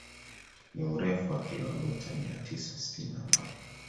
Ni urefu wa kilomita mia tisa sitini na moja